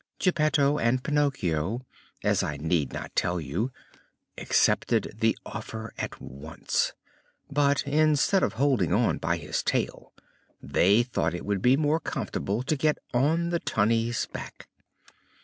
Geppetto and Pinocchio, as I need not tell you, accepted the offer at once; but, instead of holding on by his tail, they thought it would be more comfortable to get on the Tunny's back.